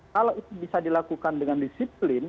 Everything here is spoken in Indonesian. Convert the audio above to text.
kalau itu bisa dilakukan dengan disiplin